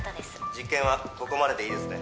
実験はここまででいいですね